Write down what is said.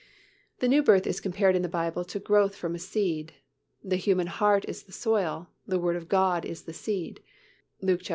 The new birth is compared in the Bible to growth from a seed. The human heart is the soil, the Word of God is the seed (Luke viii.